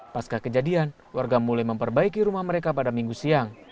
pasca kejadian warga mulai memperbaiki rumah mereka pada minggu siang